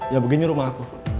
ya begini rumah aku